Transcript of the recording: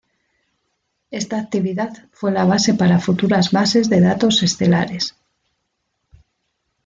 Esta actividad fue la base para futuras bases de datos estelares.